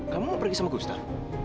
kamu mau pergi sama gustar